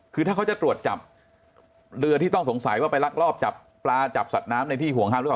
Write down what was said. คือถ้าเขาจะตรวจจับเรือที่ต้องสงสัยว่าไปลักลอบจับปลาจับสัตว์น้ำในที่ห่วงห้ามหรือเปล่า